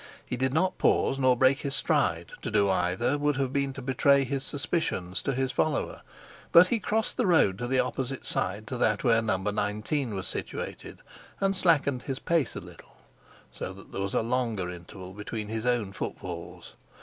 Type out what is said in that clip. He did not pause nor break his stride: to do either would have been to betray his suspicions to his follower; but he crossed the road to the opposite side to that where No. 19 was situated, and slackened his pace a little, so that there was a longer interval between his own footfalls.